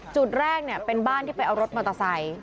จุดแรกเป็นบ้านที่ไปเอารถมอเตอร์ไซค์